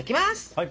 はい。